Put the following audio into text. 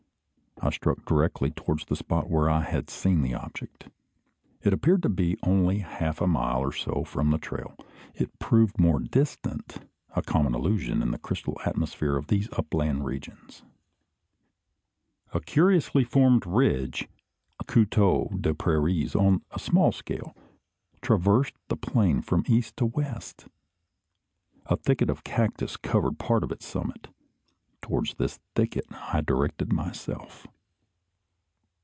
I struck directly towards the spot where I had seen the object. It appeared to be only half a mile or so from the trail. It proved more distant a common illusion in the crystal atmosphere of these upland regions. A curiously formed ridge, a couteau des prairies on a small scale, traversed the plain from east to west. A thicket of cactus covered part of its summit. Towards this thicket I directed myself.